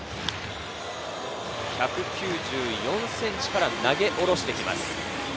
１９４ｃｍから投げ下ろして来ます。